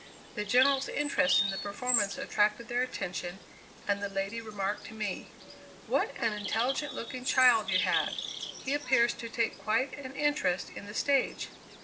The General's interest in the performance attracted their attention, and the lady remarked to me: "What an intelligent looking child you have! He appears to take quite an interest in the stage."